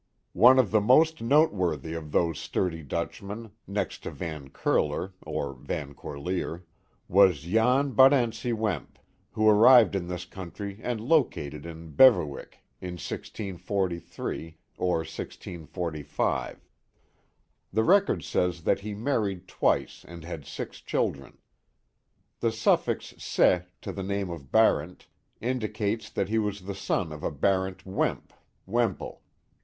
One of the most noteworthy of those sturdy Dutchmen, next to Van Curler (or Van Corlear), was Jan Barentse Wemp. who arrived in this country and located in Beverwyck, in 1643 298 Canagera, One of the Mohawks' Castles 299 or 1645. The record says that he married twice and had six children. The suffix, se^ to the name of Barent, indicates that he was the son of a Barent Wemp (Wemple).